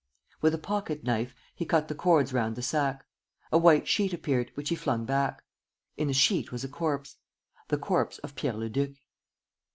With a pocket knife, he cut the cords round the sack. A white sheet appeared, which he flung back. In the sheet was a corpse, the corpse of Pierre Leduc.